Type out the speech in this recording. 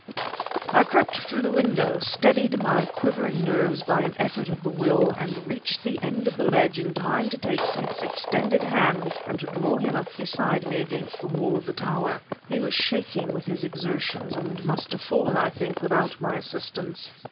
I crept through the window, steadied my quivering nerves by an effort of the will, and reached the end of the ledge in time to take Smith's extended hand and to draw him up beside me against the wall of the tower. He was shaking with his exertions, and must have fallen, I think, without my assistance.